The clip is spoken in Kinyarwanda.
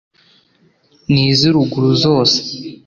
Ni iz’i Ruguru zose,